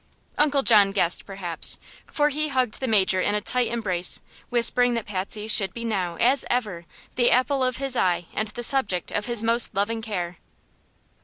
Uncle John guessed, perhaps, for he hugged the Major in a tight embrace, whispering that Patsy should be now, as ever, the apple of his eye and the subject of his most loving care.